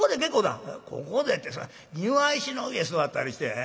「ここでって庭石の上座ったりして。